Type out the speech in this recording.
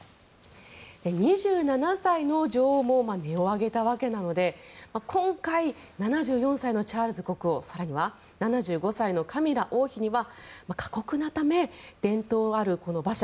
２７歳の女王も音を上げたわけなので今回、７４歳のチャールズ国王更には７５歳のカミラ王妃には過酷なため伝統な馬車